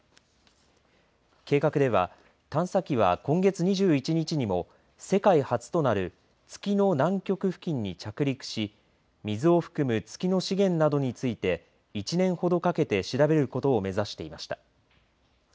計画では探査機は今月２１日にも世界初となる月の南極付近に着陸し水を含む月の資源などについて１年ほどかけて調べることを目指していました。